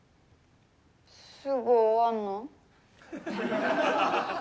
すぐ終わんの？